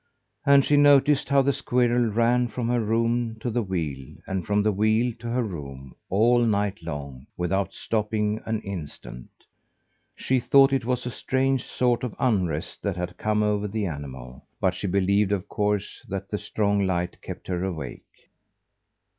And she noticed how the squirrel ran from her room to the wheel, and from the wheel to her room, all night long, without stopping an instant. She thought it was a strange sort of unrest that had come over the animal; but she believed, of course, that the strong light kept her awake.